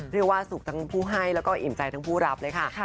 เรียกว่าสุขทั้งผู้ให้แล้วก็อิ่มใจทั้งผู้รับเลยค่ะ